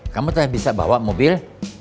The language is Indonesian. kamu telah bisa bawa mobil